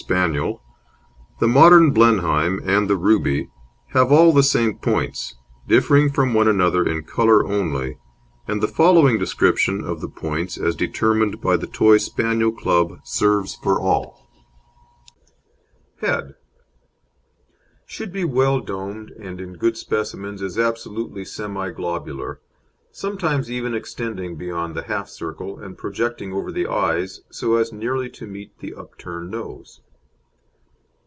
Spaniel, the modern Blenheim, and the Ruby have all the same points, differing from one another in colour only, and the following description of the points as determined by the Toy Spaniel Club serves for all: HEAD Should be well domed, and in good specimens is absolutely semi globular, sometimes even extending beyond the half circle, and projecting over the eyes, so as nearly to meet the upturned nose.